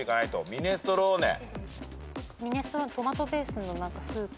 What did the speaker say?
ミネストローネトマトベースの何かスープ。